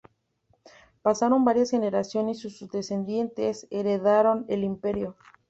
Pasaron varias generaciones y sus descendientes heredaron el imperio.